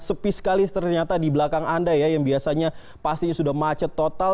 sepi sekali ternyata di belakang anda ya yang biasanya pastinya sudah macet total